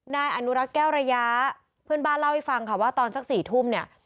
นายอนุรักษ์แก้วระยะเพื่อนบ้านเล่าให้ฟังค่ะว่าตอนสัก๔ทุ่มเนี่ย